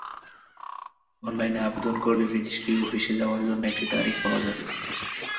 অনলাইনে আবেদন করলে রেজিস্ট্রি অফিসে যাওয়ার জন্য একটি তারিখ পাওয়া যাবে।